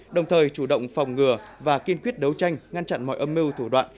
đồng thời chủ động phòng ngừa và kiên quyết đấu tranh ngăn chặn mọi âm mưu thủ đoạn